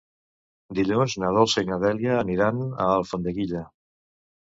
Dilluns na Dolça i na Dèlia aniran a Alfondeguilla.